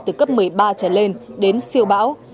từ cấp một mươi ba trở lên đến siêu bão